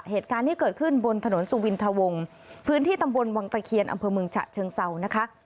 เหตุการณ์ที่เกิดขึ้นบนถนนสุวินทวงพื้นที่ตำบลวังตะเคียนอำเภอเมืองฉะเชิงเศร้านะคะ